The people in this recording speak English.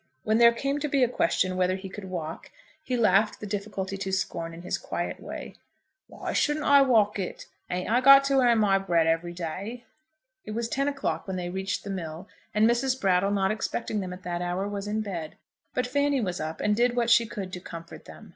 When there came to be a question whether he could walk, he laughed the difficulty to scorn in his quiet way. "Why shouldn't I walk it? Ain't I got to 'arn my bread every day?" It was ten o'clock when they reached the mill, and Mrs. Brattle, not expecting them at that hour, was in bed. But Fanny was up, and did what she could to comfort them.